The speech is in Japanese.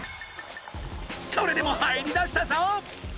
それでも入りだしたぞ！